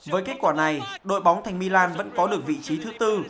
với kết quả này đội bóng thành milan vẫn có được vị trí thứ tư